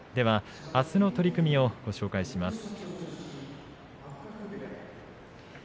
あすの取組をご紹介します。